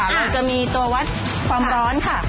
อาจจะมีตัววัดความร้อนค่ะ